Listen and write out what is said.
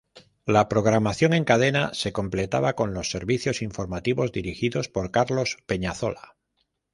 La programación en cadena se completaba con los servicios informativos, dirigidos por Carlos Peñaloza.